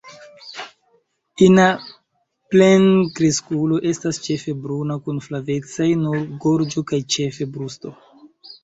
Ina plenkreskulo estas ĉefe bruna kun flavecaj nur gorĝo kaj ĉefe brusto.